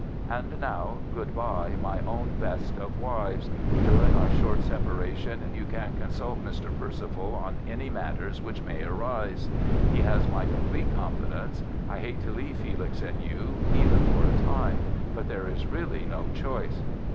"And now, good bye, my own best of wives. During our short separation you can consult Mr. Perceval on any matters which may arise. He has my complete confidence. I hate to leave Felix and you—even for a time—but there is really no choice.